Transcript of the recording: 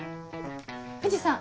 藤さん